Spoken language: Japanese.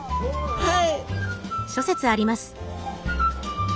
はい。